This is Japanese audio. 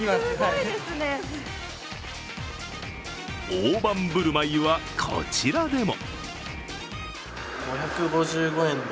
大盤振る舞いはこちらでも。